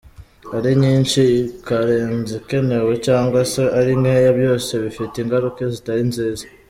Ari nyinshi ikarenza ikenewe cyangwa se ari nkeya byose bifite ingaruka zitari nziza.